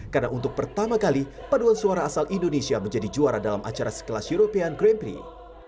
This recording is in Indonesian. karena untuk pertama kali paduan suara asal indonesia menjadi juara dalam acara sekelas european grand prix